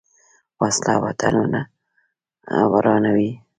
وسله وطنونه ورانوي